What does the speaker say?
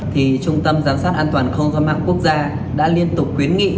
trung tâm giám sát an toàn không do mạng quốc gia đã liên tục quyến nghị